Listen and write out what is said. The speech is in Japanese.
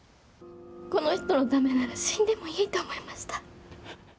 この人のためなら死んでもいいと思いました。